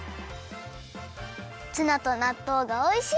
ツナとなっとうがおいしい！